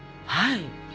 はい。